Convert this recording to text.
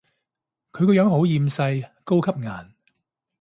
佢個樣好厭世，高級顏